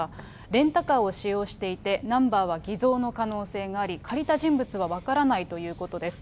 レンタカーを使用していて、ナンバーは偽造の可能性があり、借りた人物は分からないということです。